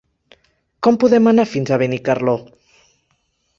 Com podem anar fins a Benicarló?